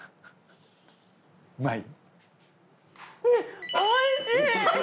うまい？